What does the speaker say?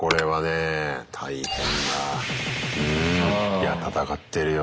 いや闘ってるよ。